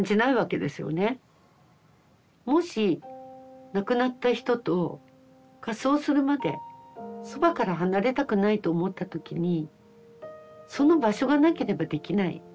もし亡くなった人と火葬するまでそばから離れたくないと思った時にその場所がなければできない。